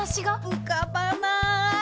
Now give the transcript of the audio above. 浮かばない。